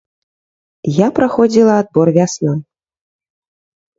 Я праходзіла адбор вясной.